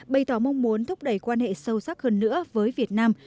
bày tỏ mong muốn thúc đẩy quan hệ sâu sắc hơn nữa với việt nam